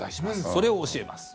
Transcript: それを教えます。